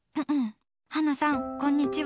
ハナさん、こんにちは。